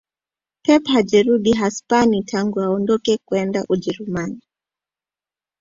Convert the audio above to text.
Pep hajarudi Hispania tangu alipoondoka kwenda ujerumani